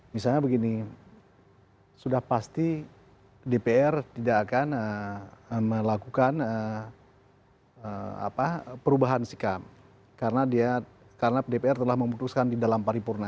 misalnya begini sudah pasti dpr tidak akan melakukan perubahan sikap karena dpr telah memutuskan di dalam paripurna